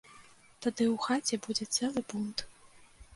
Тады ў хаце будзе цэлы бунт.